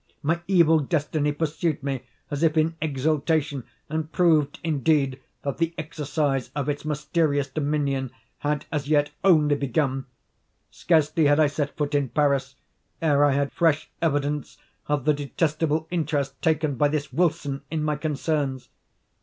My evil destiny pursued me as if in exultation, and proved, indeed, that the exercise of its mysterious dominion had as yet only begun. Scarcely had I set foot in Paris ere I had fresh evidence of the detestable interest taken by this Wilson in my concerns.